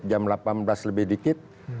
jam delapan belas lebih dikit